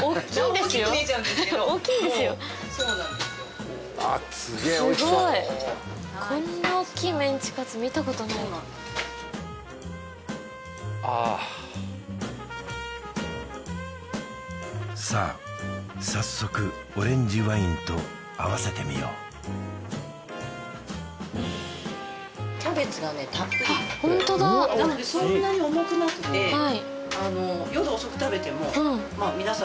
大きく見えちゃうんですがすごいこんな大きいメンチカツ見たことないああさあ早速オレンジワインと合わせてみようキャベツがねたっぷりホントだなのでそんなに重くなくて夜遅く食べてもまあ皆さん